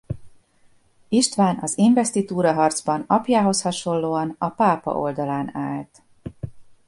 István az invesztitúraharcban apjához hasonlóan a pápa oldalán állt.